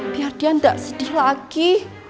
biar dia tidak sedih lagi